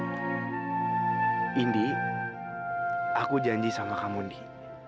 jadi indy aku janji sama kamu nih